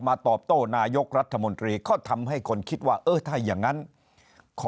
ตอบโต้นายกรัฐมนตรีก็ทำให้คนคิดว่าเออถ้าอย่างนั้นขอ